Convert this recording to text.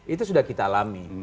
itu sudah kita alami